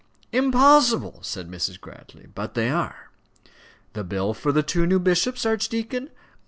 "Impossible!" said Mrs. Grantly. "But they are." "The bill for the two new bishops, archdeacon?